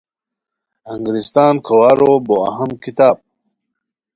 انگریستان کھوارو بو اہم کتاب